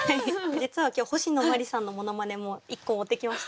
実は今日星野真里さんのモノマネも１個持ってきました。